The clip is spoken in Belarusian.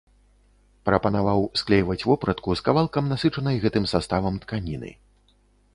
Прапанаваў склейваць вопратку з кавалкаў насычанай гэтым саставам тканіны.